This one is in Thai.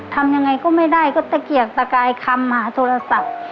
ทำยังไงก็ไม่ได้ก็ตะเกียกตะกายคำหาโทรศัพท์